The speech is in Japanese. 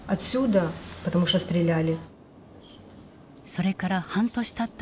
それから半年たった